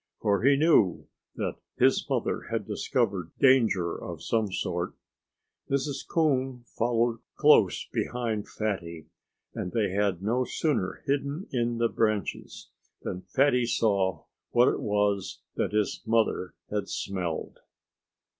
For he knew that his mother had discovered danger of some sort. Mrs. Coon followed close behind Fatty. And they had no sooner hidden in the branches than Fatty saw what it was that his mother had smelled.